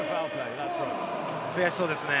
悔しそうですね。